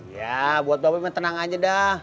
iya buat bapak tenang aja dah